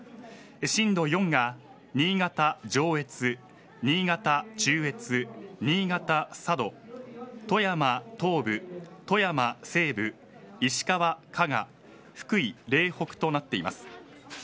震度４が新潟上越新潟中越、新潟佐渡富山東部、富山西部石川加賀、福井嶺北となっています。